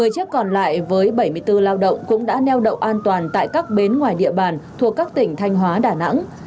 một mươi chiếc còn lại với bảy mươi bốn lao động cũng đã neo đậu an toàn tại các bến ngoài địa bàn thuộc các tỉnh thanh hóa đà nẵng